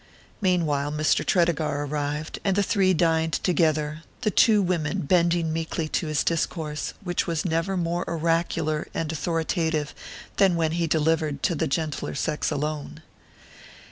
Meanwhile Mr. Tredegar arrived, and the three dined together, the two women bending meekly to his discourse, which was never more oracular and authoritative than when delivered to the gentler sex alone.